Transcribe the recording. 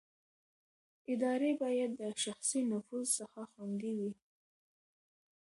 ادارې باید د شخصي نفوذ څخه خوندي وي